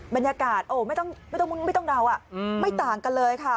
บรรยากาศไม่ต้องเดาไม่ต่างกันเลยค่ะ